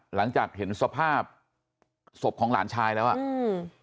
หลังจากเห็นสภาพศพของหลานชายแล้วอ่ะอืม